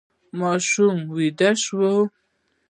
ماشوم ویده شو.